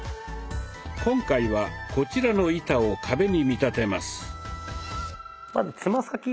今回はこちらの板を壁に見立てます。